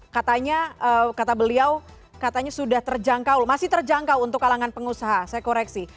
katanya kata beliau katanya sudah terjangkau masih terjangkau untuk kalangan pengusaha saya koreksi